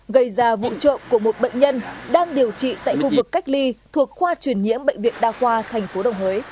gây ra vụ trộm của một bệnh nhân đang điều trị tại khu vực cách ly thuộc khoa truyền nhiễm bệnh viện đa khoa tp đồng hới